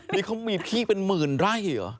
นี่เขามีพี่เป็นหมื่นไร่เหรอ